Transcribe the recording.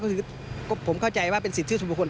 ก็คือผมเข้าใจว่าเป็นสิทธิ์ทุกคน